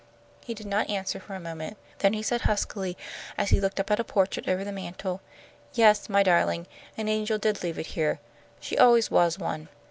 He did not answer for a moment. Then he said, huskily, as he looked up at a portrait over the mantel, "Yes, my darling, an angel did leave it here. She always was one.